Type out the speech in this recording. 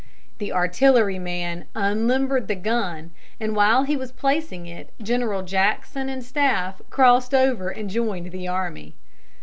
The artilleryman unlimbered the gun, and while he was placing it General Jackson and staff crossed over and joined the army.